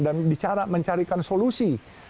dan bicara mencarikan solusi